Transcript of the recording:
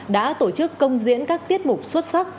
đã tổ chức công diễn các tiết mục xuất sắc